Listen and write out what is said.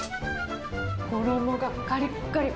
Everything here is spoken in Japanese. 衣がかりっかり。